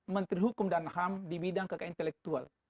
menteri hukum dan ham di bidang kekeintelektual